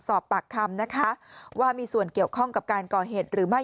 สอบปากคำนะคะว่ามีส่วนเกี่ยวข้องกับการก่อเหตุหรือไม่